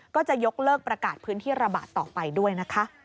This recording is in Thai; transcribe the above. ก็จะยกเลิกประกาศพื้นที่ระบาดต่อไปด้วยนะคะ